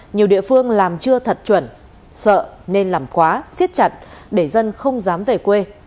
nhiều địa phương làm chưa thật chuẩn sợ nên làm quá siết chặt để dân không dám về quê